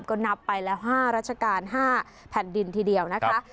ก็นับไปแล้ว๕ราชการ๕แผ่นดินทีเดียวนะคะ